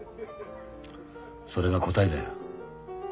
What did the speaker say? それが答えだよ。